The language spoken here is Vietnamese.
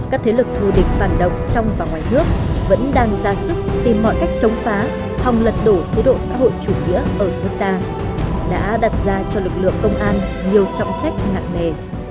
các thế lực thù địch phản động trong và ngoài nước vẫn đang ra sức tìm mọi cách chống phá hòng lật đổ chế độ xã hội chủ nghĩa ở nước ta đã đặt ra cho lực lượng công an nhiều trọng trách nặng nề